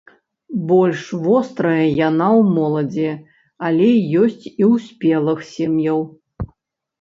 Больш вострая яна ў моладзі, але ёсць і ў спелых сем'яў.